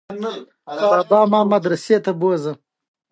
بانکونه د شنبی په ورځ خلاص وی